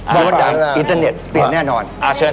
มีมดดำอินเทอร์เน็ตเปลี่ยนแน่นอน